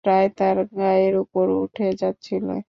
প্রায় তার গায়ের উপর উঠে যাচ্ছিলে।